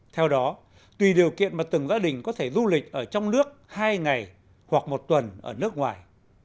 theo đó tùy điều kiện mà từng gia đình có thể du lịch ở trong nước hai ngày hoặc một tuần ở nước ngoài